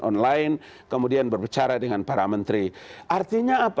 online kemudian berbicara dengan para menteri